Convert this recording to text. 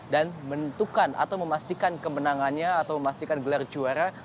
dan menentukan atau memastikan kemenangannya atau memastikan gelar juara